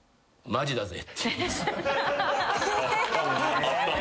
「マジだぜ」